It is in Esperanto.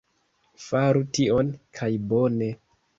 Faru tion... kaj bone...